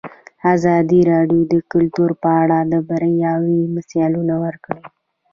ازادي راډیو د کلتور په اړه د بریاوو مثالونه ورکړي.